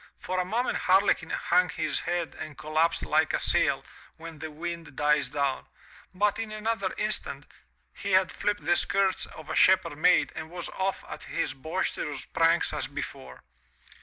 For a moment Harlequin hung his head and collapsed like a sail when the wind dies down, but in another instant, he had flipped the skirts of a shepherd maid and was off at his boisterous pranks as before.